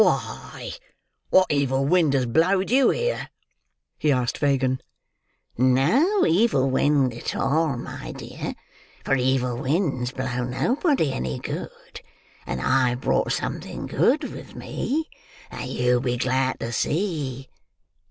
"Why, what evil wind has blowed you here?" he asked Fagin. "No evil wind at all, my dear, for evil winds blow nobody any good; and I've brought something good with me, that you'll be glad to see.